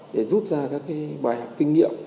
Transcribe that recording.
để rút ra các cái bài học kinh nghiệm